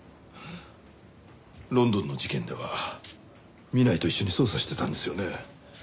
ロンドンの事件では南井と一緒に捜査してたんですよね？